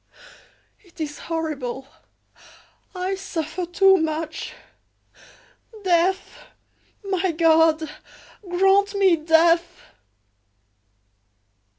"Ah, it is horrible! I suffer too much! Death! My God! grant me death!"